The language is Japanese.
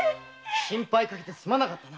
心配をかけてすまなかった。